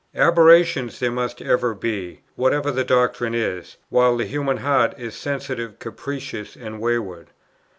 "Aberrations there must ever be, whatever the doctrine is, while the human heart is sensitive, capricious, and wayward.